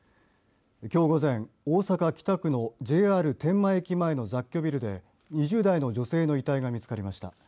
きょう午前、大阪、北区のＪＲ天満駅間の雑居ビルで２０代の女性の遺体が見つかりました。